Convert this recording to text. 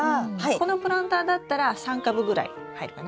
このプランターだったら３株ぐらい入るかな。